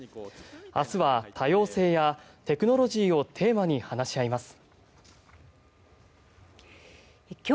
明日は多様性やテクノロジーをテーマに話し合います。